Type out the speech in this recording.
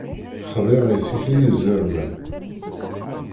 Xḍiɣ i tikli izerman.